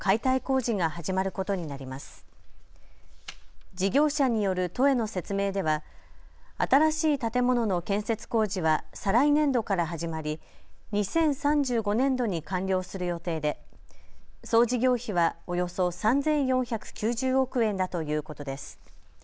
事業者による都への説明では新しい建物の建設工事は再来年度から始まり２０３５年度に完了する予定で総事業費はおよそ３４９０億円だということです。